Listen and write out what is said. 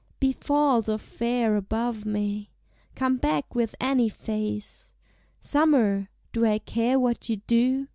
Be false or fair above me; Come back with any face, Summer! do I care what you do?